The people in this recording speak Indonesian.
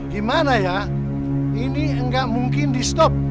gimana ya ini nggak mungkin di stop